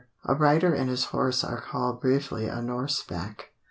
A rider and his horse are called briefly "a norseback."